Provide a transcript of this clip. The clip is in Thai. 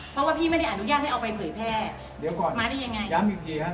เพราะว่าพี่ไม่ได้อนุญาตให้เอาไปเผยแพร่เดี๋ยวก่อนมาได้ยังไงย้ำอีกทีฮะ